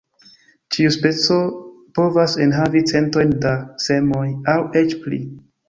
Ĉiu speco povas enhavi centojn da semoj aŭ eĉ pli.